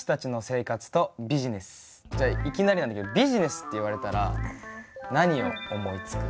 じゃあいきなりなんだけどビジネスって言われたら何を思いつく？